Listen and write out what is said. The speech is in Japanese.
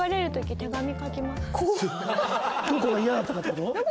どこが嫌だったかって事？